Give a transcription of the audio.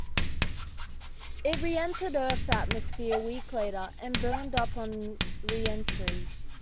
It re-entered Earth's atmosphere a week later, and burned up on re-entry.